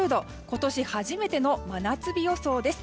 今年初めての真夏日予想です。